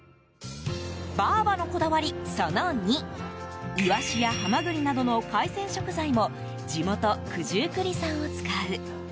ばあばのこだわり、その２イワシやハマグリなどの海鮮食材も地元・九十九里産を使う。